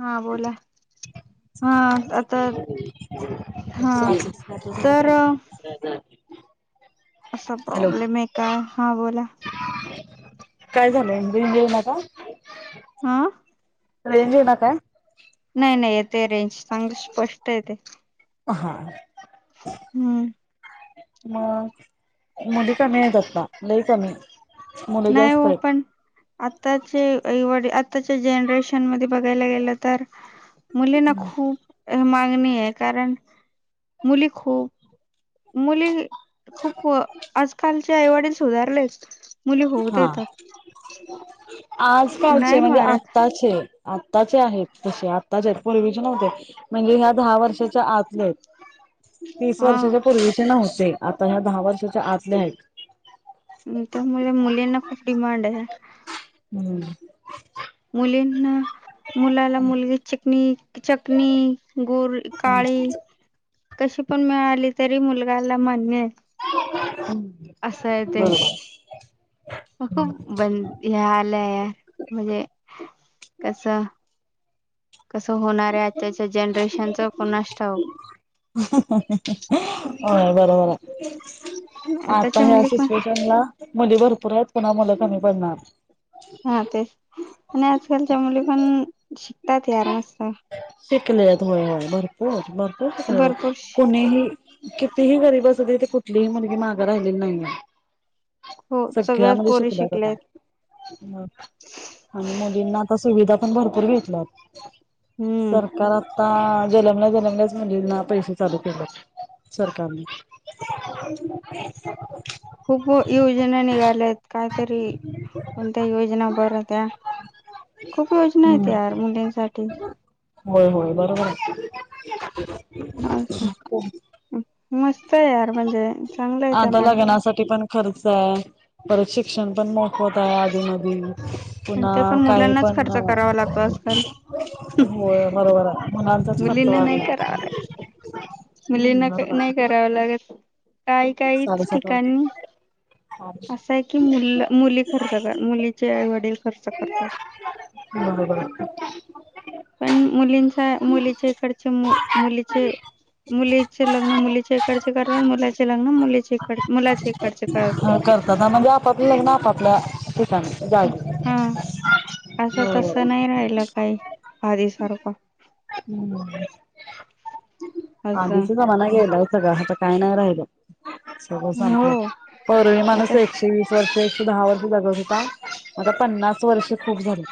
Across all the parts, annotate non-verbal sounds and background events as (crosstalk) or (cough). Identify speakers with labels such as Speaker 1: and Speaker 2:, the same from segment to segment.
Speaker 1: हा बोला. हा आता
Speaker 2: हां
Speaker 1: हा तर
Speaker 2: (unintelligible)
Speaker 1: असं प्रॉब्लेम आहे काय हा बोला.
Speaker 2: काय झालंय बिल येेऊ नका.
Speaker 1: हां
Speaker 2: रेंज येईना काय?
Speaker 1: नाही नाही येते रेंज चांगलं स्पष्ट येते.
Speaker 2: हां
Speaker 1: हम्म
Speaker 2: मग मुली कमी आहेेत आता लई कमी. मुले
Speaker 1: नाही
Speaker 2: जास्त
Speaker 1: हो पण
Speaker 2: आहेत
Speaker 1: आताचे आई वडील आता जनरेशन मध्ये बघायला गेल तर मुलींना खूप मा आहे कारण मुली खूप मुली खूप आजकालच्या आईवडील सुधारलेत. मुली होऊ
Speaker 2: हा
Speaker 1: देतात.
Speaker 2: आजकालचे
Speaker 1: नाही
Speaker 2: म्हणजे
Speaker 1: मारत
Speaker 2: आत्ताचे. आत्ताचे आहेत तसे आत्ताचे आहेत पूर्वीचे नव्हते म्हणजे ह्या दहा वर्षाच्या आतल्या आहेत. तीस
Speaker 1: हा
Speaker 2: वर्षाच्या पूर्वीचे नव्हते आता ह्या दहा वर्षाच्या आतल्या आहेत.
Speaker 1: त्यामुळे मुलींना खूप डिमांड आहे.
Speaker 2: हम्म
Speaker 1: मुलींना मुलाला मुलगी चिकणी चकणी गोर काळी कशी पण मिळाली तरी मुलगाला मान्य आहे.
Speaker 2: हम्म
Speaker 1: असं आहे ते
Speaker 2: बरोबर
Speaker 1: बंद हे आलंय म्हणजे कस
Speaker 2: (inaudible)
Speaker 1: जनरेशनच कोणास ठाऊक
Speaker 2: होय बरोबर हाय आता
Speaker 1: आताच्या
Speaker 2: ह्या
Speaker 1: मुली पण
Speaker 2: सिच्युएशनला मुली भरपूर आहेत पुन्हा मुलं कमी पडणार.
Speaker 1: हा तेच आणि आजकालच्या मुली पण शिकतात यार मस्त.
Speaker 2: शिकल्यात होय होय भरपूर भरपूर शिकलेले
Speaker 1: भरपूर
Speaker 2: कोणीही. कितीही गरीब असूदे ती कुठलीही मुलगी माग राहिलेली नाहीये.
Speaker 1: हो
Speaker 2: सगळ्या
Speaker 1: सगळ्याच
Speaker 2: मुली
Speaker 1: पोरी
Speaker 2: शिकल्यात आता. म आणि मुलींना आता सुविधा पण भरपूर भेटल्यात
Speaker 1: हम्म
Speaker 2: सरकार आ ता जलमल्या जलमल्या मुलींना ना पैसे चालू केल्यात. सरकारने.
Speaker 1: खूप योजना निघाल्यात काहीतरी कोणत्या योजना बर त्या खूप योजना आहेत
Speaker 2: हम्म
Speaker 1: यार मुलींसाठी.
Speaker 2: होय होय बरोबर आहे.
Speaker 1: असं मस्त आहे यार म्हणजे चांगलं आहे त्या
Speaker 2: आता
Speaker 1: मानाने
Speaker 2: लग्नासाठी पण खर्चय परत शिक्षण पण मोफत आहे आधी म
Speaker 1: आणि
Speaker 2: पुन्हा
Speaker 1: ते पण
Speaker 2: काही
Speaker 1: मुलांनाच
Speaker 2: पण
Speaker 1: खर्च
Speaker 2: अ
Speaker 1: करावा लागतो आजकाल
Speaker 2: होय बरोबर आहे. मुलांचाच खर्च
Speaker 1: मुलींना नाही
Speaker 2: वाढला
Speaker 1: करावा लागत
Speaker 2: हम्म
Speaker 1: मुलींना
Speaker 2: बरोबर.
Speaker 1: नाही करावं लागत काही काहीच
Speaker 2: साडेसात
Speaker 1: ठिकाणी
Speaker 2: वाजता.
Speaker 1: असं आहे की मुल मुली खर्च कर मुलीचेआईवडील खर्च करतात.
Speaker 2: बरोबर.
Speaker 1: पण मुलींचा मुलीच्या इकडचे मुलीचे मुलीचे लग्न मुलीच्या इकडचे करतात मुलाचे लग्न मुलीचे इकड मुलाचे इकडचे करतात
Speaker 2: हो करतात म्हणजे आपापली लग्न आपापल्या
Speaker 1: हा
Speaker 2: (unintelligible)
Speaker 1: असं तसं
Speaker 2: बरोबर.
Speaker 1: नाही राहिलं काही आधी सारखं.
Speaker 2: हम्म
Speaker 1: असं
Speaker 2: आदीचा जमाना गेलाय सगळा आता काय नाही राहिल. सगळं
Speaker 1: हो
Speaker 2: संपलं पूर्वी माणूस
Speaker 1: आता स-
Speaker 2: एकशे वीस वर्ष दहा वर्ष जगत होता आता पन्नास वर्ष खूप झाली.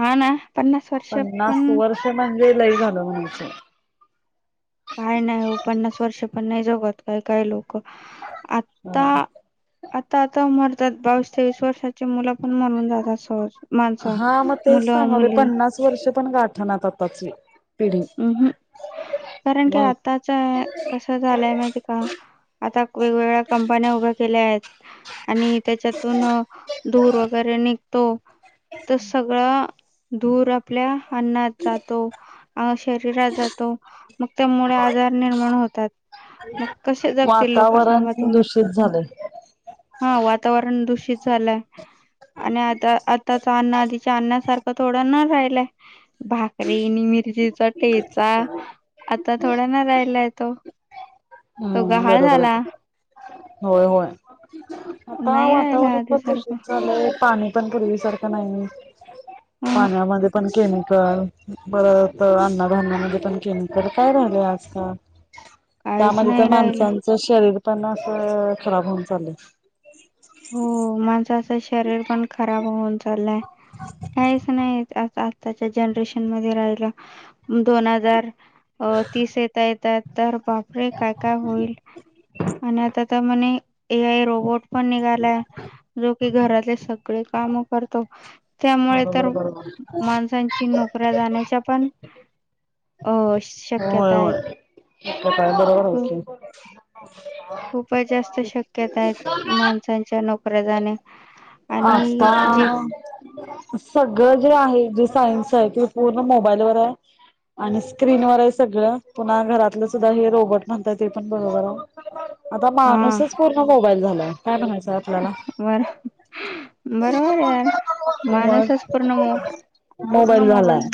Speaker 1: हाणा पन्नास वर्ष पण
Speaker 2: लई लई झालं म्हणायचं.
Speaker 1: काय नाही हो पन्नास वर्ष पण नाही जगत काय काय लोक आता आता आता मरतात बावीस, तेवीस वर्षाची मुलं पण (unintelligible) जातात सहज माणसं,
Speaker 2: हा मग तेच
Speaker 1: मुलं,
Speaker 2: सांगाले
Speaker 1: मुली.
Speaker 2: पन्नास वर्ष पण गाठणात आताची पिढी
Speaker 1: हम् हम् कारण की
Speaker 2: मग
Speaker 1: आताच कस झालंय माहिती का. आता वेगवेगळ्या कंपन्या उभ्या केल्या आहेत आणि त्याच्यातून धूर वगैरे निघतो तर सगळं धूर आपल्या अन्नात जातो. अ शरीरात जातो मग त्यामुळे आजार निर्माण होतात. मग कशे जगतील लोक
Speaker 2: वातावरण
Speaker 1: सांगा तुम्ही
Speaker 2: दूषित झालंय.
Speaker 1: हा वातावरण दुष झालंय आणि आता आताच अन्न आदीच्या अन्नासार थोड न राहिलंय भाकरी मि र्ची चा ठेचा आता थोडा ना राहिलाय तो. तो
Speaker 2: हम्म
Speaker 1: गहाळ
Speaker 2: बरोबर
Speaker 1: झाला.
Speaker 2: आहे. होय होय आता
Speaker 1: नाही राहिला
Speaker 2: वातावरण पण
Speaker 1: आधीसारखं
Speaker 2: दूषित झालंय पाणी पण पूर्वीसारखं नाही.
Speaker 1: अहं
Speaker 2: पाण्यामध्ये पण केमिकल बरत अन्णाधान्यामध्ये पण केमिकल काय राहिलय आजकाल.
Speaker 1: काहीच
Speaker 2: त्यामध्ये तर
Speaker 1: नाही राहिलं.
Speaker 2: माणसांचं शरीर पण अस अ खराब होऊन चाललंय.
Speaker 1: हो माणसाचं शरीर पण खराब होऊन चाललंय,, काहीच नाही आताऽऽ त्याच्या जनरेशन मध्ये राहिला,, दोन हजार तीस येतायत तरऽऽ तर बापरे! काय, काय होईल, आणि आता म्हणे ए आय रोबोट पणऽऽ जो की घरातले सगळे कामं करतो.. त्यामुळे तर,,
Speaker 2: बरोबर बरोबर.
Speaker 1: माणसांची नोकऱ्या जाण्याच्या पणऽऽ अं,,
Speaker 2: होयहोय,, काय बरोबर होतेऽऽ
Speaker 1: उपाय जास्त शक्यता आहेत,, माणसांच्या नोकऱ्या जाणेऽ
Speaker 2: आता,, सगळं जे आहे जे सायन्सऽऽ आहे क पूर्ण मोबाईलवरर आयऽऽ आणि स्क्रीनवरर आहे सगळं,, पुन्हा घरातलं सुद्धा हे रोबोट म्हणताय ते पण बरोबर आहे. आता
Speaker 1: हा
Speaker 2: माणूसच पूर्ण मोबाईल झालाय,, काय म्हणायचंय आपल्याला?
Speaker 1: बर बरोबर यार,,
Speaker 2: मग
Speaker 1: मानसच पूर्णम पूर्ण मोबाईल.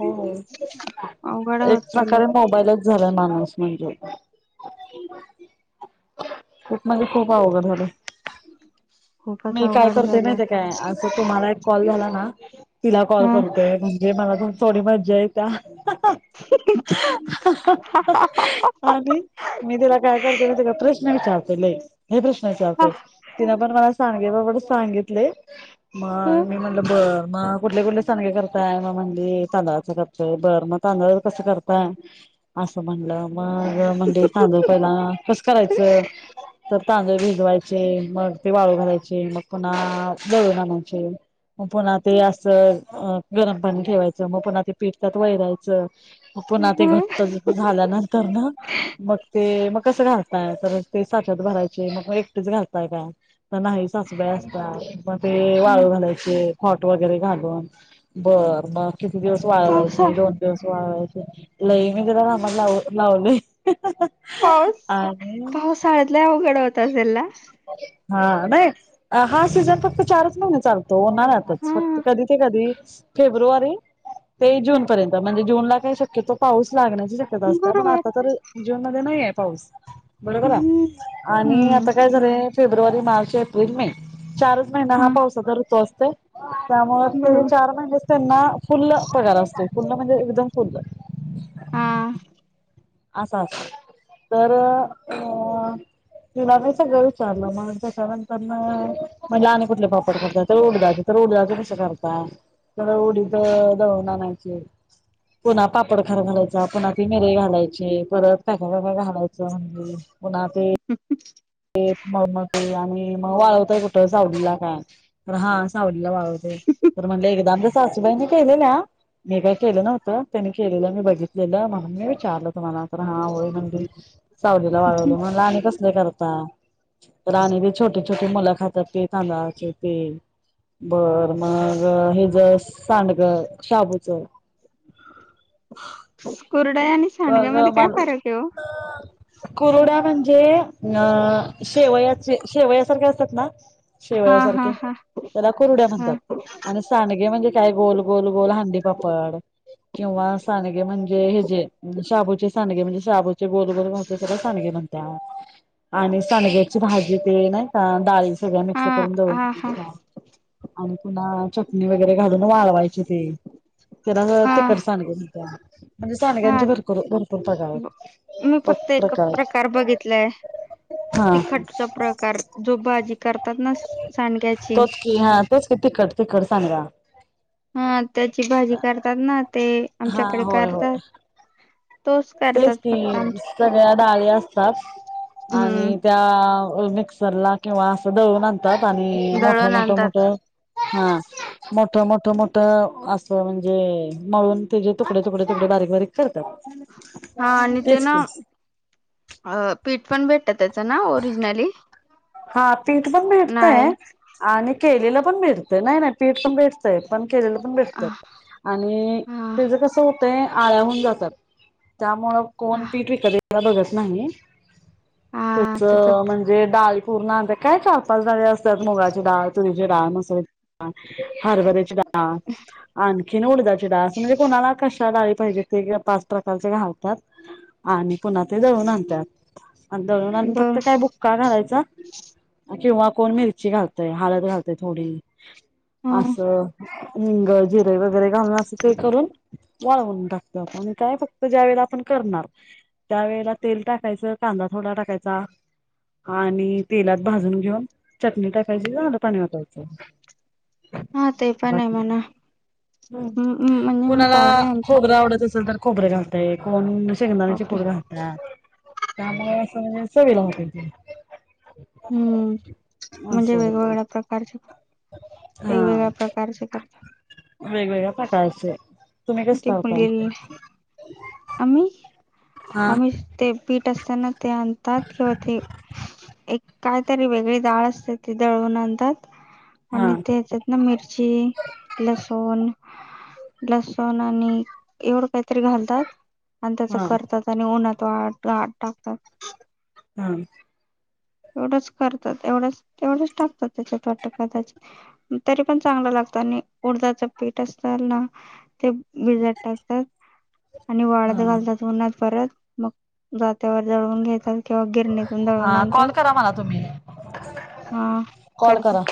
Speaker 2: वय वय,,
Speaker 1: अवघड
Speaker 2: एक
Speaker 1: होत चालय
Speaker 2: प्रकारे मोबाईलच झाला माणूस म्हणजेऽऽ (unintelligible) खूप म्हणजे खूप अवघड झालंय.
Speaker 1: खूपच
Speaker 2: मी काय
Speaker 1: अवघड
Speaker 2: करते
Speaker 1: झालंय
Speaker 2: माहीतीय काय? असं तुम्हाला एक कॉल झाला नाऽऽ तिला कॉल करतोय,, म्हणजे मला पन थोडी मज्जा येत्या, हहहह हहहह, आणि मी तिला काय करतोय माईतीय काय प्रश्ऽऽ विचारतोय लय,, लय प्रश्न विचारतोय तिन पण मला सांडगे पापड सांगितलय,,, मग, मी म्हटलं बर, मगऽ कुठले कुठले सांडगे करताय,, मग म्हणली तांदळाच करतय, बर मग तांदळा कसं करतय? असं म्हणलं, मग म्हणली
Speaker 1: ह
Speaker 2: तांदूळ पहिला कसं करायचं? तरऽऽ तांदूळ भिजवायचे, मग ते वाळू घालायचे, मग पुणा्हा दळून आणायचे,, मग पुन्हा ते असं अं गरम पाणी ठेवायचं, मग पुन्हा ते पिठ त्याच्यात वैरायचं,, पुन्हा ते घट्ट
Speaker 1: हम्म,
Speaker 2: झाल्यानंतर ना,, मग ते मग कसं घाल? तर ते साच्यात भरायचं,, मग एकटेच घाताय का? तर नाही सासूबाई असत्या ते वाळू घालायचे, खॉट वगैरे घालून बर मऽऽ किती दिवस वाळवायचे?
Speaker 1: पावसाळ
Speaker 2: दोन दिवस वाळवायचे, लई मी जरा कामात लाव लावलयऽऽ
Speaker 1: पाऊस, पावसाळ्यात लय अवघड होत आसल नाऽऽ
Speaker 2: हा, नाही हा सीझन फक्त चारच महिना चालूऽऽ होणार आताच,,
Speaker 1: हा
Speaker 2: फक्त कधी ते कधी,, फेब्रुवारी ते जून पर्यंत म्हणजेऽऽ जून ला काही शक्यतो पाऊस लागण्याची शक्यता असत्या,, पण
Speaker 1: बरोबर
Speaker 2: आता तर जून मध्ये नाही आय पाऊस.. बरोबर आय,,
Speaker 1: हम्म
Speaker 2: आणि
Speaker 1: हम्म
Speaker 2: आता कायऽऽ फेब्रुवारी, मार्च, एप्रिल, मे चारच महिना हा पावसाचा ऋतू असतय, ऽ त्यामुळे ते
Speaker 1: बरोबर
Speaker 2: चार महिनेच त्यांना फुल्ल पगार असतोय,, फुल म्हणजे एकदम फुल्ल.
Speaker 1: हा,
Speaker 2: असा असंत,, तर अऽ तिला मी सगळं ईचाारलं,, मग त्याच्यानंतर ऽम्हणलं आणि कुठले पापड करताय? तर उडदाचेऽऽ उडदाच कसं करताय? तर उडीद दळून आणायचंऽ पुन्हा पापडखार घालायचा, पुन्हा ती मिरं घालायचीऽ परत काकाय काय काय घालायचं म्हणजेऽऽ
Speaker 1: (unintelligible)
Speaker 2: ते मळमतेय, आणि मग वाळवताय कुठं? सावलीला काय? हा सावली ऽऽ वाळवलय,, तर म्हणलं एकदा आपलं सासूबाईऽऽ केलेल्या,, मी काही केलं नव्हतं त्यांनी केलेलं मी बघितलेलं म्हणून मी विचारलं तुम्हाला.. तर हा होय म्हणली,, सावलीला वाळवले,, म्हणलं आणी कसली करताय? राणी, ते छोटे छोटे मुल खात्यात ते तांदळाचे तेऽ बर,, मग हे ज सांडग शाबूच..
Speaker 1: कुरडया आणि सांडग्या
Speaker 2: मग
Speaker 1: मध्ये काय फरक आहे ओ?
Speaker 2: मला ज शेवयाचे शेवयासारखे असतात ना
Speaker 1: हा हा
Speaker 2: शेवयासारखे
Speaker 1: हा
Speaker 2: त्याला कुरड्या
Speaker 1: हा
Speaker 2: म्हणतात आणि सांडगे म्हणजे काय गोल गोल गोल हांडीपापड किंवा सानगे म्हणजे ह जे शाबूचे सांडगे म्हणजे शाबूचे गोलबोल घाचे सगळे सांडगे म्हणतात आणि सडग्याची भाजी ते नाही का डाळी सगळ्या मिक्स
Speaker 1: हा हा हा
Speaker 2: करूनछ आणि पुन्हा चटणी वगैरे घालून वाळवायची ते त्याला
Speaker 1: हा
Speaker 2: तिक सांगेत
Speaker 1: हा
Speaker 2: म्हजे भरूर भरपूर पग
Speaker 1: ब- मी फक्त एक
Speaker 2: पत्रकार
Speaker 1: प्रकार बघितलाय तिखटचा प्रकार जो भाजी करतात ना सांडक्याची
Speaker 2: तोच की हा तेच की तिखट तिखट सांगा
Speaker 1: हा त्याची भाजी करतात ना ते
Speaker 2: हा
Speaker 1: आमच्याकडे करतात तोच करतात
Speaker 2: टेस्टी
Speaker 1: फक्त आमच्या
Speaker 2: सगळ्या डाळी असतात
Speaker 1: हम्म
Speaker 2: आणि त्या मिक्सरला किंवा असं दळून आणतात आणि मोठ
Speaker 1: दळण
Speaker 2: मोठ मोठ
Speaker 1: आणतात
Speaker 2: हा मोठ मोठ मोठं असं म्हणजे मळून ते जे तुकडे तुकडे तुकडे बारीक बारीक करतात
Speaker 1: हा आणि ते
Speaker 2: तेच
Speaker 1: ना
Speaker 2: की
Speaker 1: अ पीठ पण भेट त्याच ना ओरिजिनली
Speaker 2: हा पीठ पण भेटतंय आणि केलेला पण भेटतंय नाही नाही पीठ पण भेटतंय पण केलं पण भेटत आणि
Speaker 1: हा
Speaker 2: त्या ज कस होतंय आळ्याहून जातात त्यामुळं कोण पीठ विकतला बघत नाही त्याच म्हणजे डाल पूर्ण अ काय चार पाच डाळे असतात मुगाची डाळ तुरीची डाळ मसुरीची डाळ हरभरे चिडा आणखीन उलदाा चिड असं म्हणजे कोणाला कशाला पाहिजे ते पाच प्रकारचे घालतात आणि पुन्हा ते दळून आणतात आणि दळून आणून
Speaker 1: बर
Speaker 2: फक्त काय बुक्का घालायचा किंवा कोण मिरची घालतय हलत घालतय थोडी अस हिंग, जिरे वगैरे घालून असं ते करून वाळवून टाकतात आणि काय फक्त ज्या वेळेला आपण करणार, त्यावेेळेला तेल टाकायचं कांदा थोडा टाकायचा आणि तेलात भाजून घेऊन चटणी टाकायची. झालं, पाणी ओतायचं.
Speaker 1: हा ते पण आहे मना.
Speaker 2: हम् कोणाला,
Speaker 1: आमच्या
Speaker 2: खोबर आवडत असेल तर खोबरे घालतय, कोण शेंगदाण्याची
Speaker 1: बापरे
Speaker 2: कूड घालत्यात. त्यामुळे असं, म्हणजे चवीला होते ते.
Speaker 1: हम्म, म्हणजे
Speaker 2: असं होतय
Speaker 1: वेगवेगळ्या प्रकारचे
Speaker 2: हा,
Speaker 1: वेगवेगळ्या प्रकारचे करतात
Speaker 2: वेगवेगळ्या प्रकारचे. तुम्ही कस
Speaker 1: ती मुलगी
Speaker 2: घालताय? (unintelligible)
Speaker 1: आम्ही? आम्ही ते पीठ असत ना ते आणतात. किंवा ते, एक कायतरी वेगळी डाळ असते ती दळून आणतात.
Speaker 2: हा
Speaker 1: आणि ते तेच्यात ना मिरची, लसूण लसूण आणि एवढं काहीतरी घालतात. आणि त्याच
Speaker 2: हा
Speaker 1: करतात. आणि उन्हात वाळत (unintelligible) टाकतात.
Speaker 2: ह
Speaker 1: एवढंच करतात. एवढच, एवढच टाकतात त्याच्यात वाटतं कदाचित. तरी पण चांगलं लाग आणि उडदाच पीठ असत ना, ते बिजत टाकतात.
Speaker 2: (inaudible)
Speaker 1: आणि वाळत घालतात उन्हात परत. मग जात्यावर जळवून घेतात. किंवा गिरणीतून दळून
Speaker 2: हा
Speaker 1: आणतात.
Speaker 2: कॉल करा मला तुम्ही
Speaker 1: हा,
Speaker 2: कॉल
Speaker 1: करते.
Speaker 2: करा